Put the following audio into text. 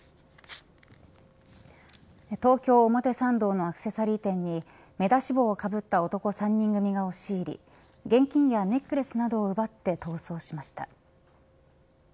東京、表参道のアクセサリー店に目出し帽をかぶった男３人組が押し入り現金やネックレスなどを奪って逃走しました。